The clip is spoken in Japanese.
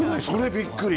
びっくり。